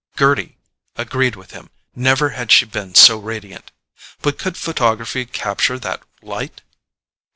Gerty agreed with him—never had she been so radiant. But could photography capture that light?